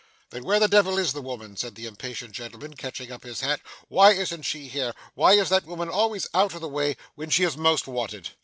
'Then where the devil is the woman?' said the impatient gentleman, catching up his hat. 'Why isn't she here? Why is that woman always out of the way when she is most wanted?